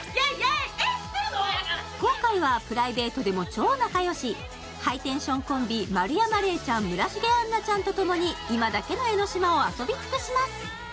今回はプライベートでも超仲良し、ハイテンションコンビ、丸山礼ちゃん、村重杏奈ちゃんとともに今だけの江の島を遊び尽くします。